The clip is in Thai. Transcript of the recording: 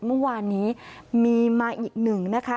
เมื่อวานนี้มีมาอีกหนึ่งนะคะ